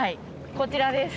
こちらです。